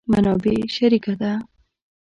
منابع شریکه ده.